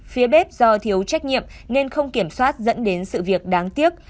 phía bếp do thiếu trách nhiệm nên không kiểm soát dẫn đến sự việc đáng tiếc